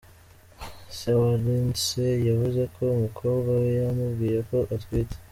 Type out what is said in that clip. Se wa Lindsay yavuze ko umukobwa we yamubwiye ko atwite.